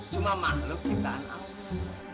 cuma makhluk ciptaan allah